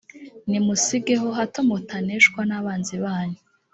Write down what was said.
nimusigeho, hato mutaneshwa n’abanzi banyu!